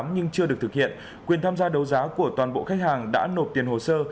nhưng chưa được thực hiện quyền tham gia đấu giá của toàn bộ khách hàng đã nộp tiền hồ sơ